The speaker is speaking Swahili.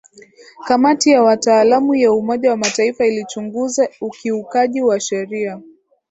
kamati ya wataalamu ya umoja wa mataifa ilichunguza ukiukaji wa sheria